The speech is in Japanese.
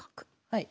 はい。